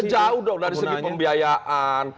jauh dari segi pembiayaan